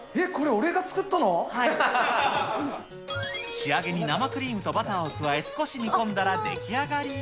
仕上げに生クリームとバターを加え、少し煮込んだら出来上がり。